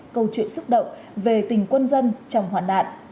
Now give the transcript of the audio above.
câu chuyện xúc động về tình quân dân trong hoạn nạn